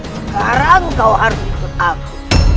sekarang kau harus ikut aku